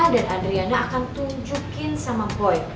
dan adriana akan tunjukin sama boy